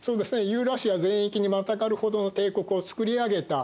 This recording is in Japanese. ユーラシア全域にまたがるほどの帝国をつくり上げた。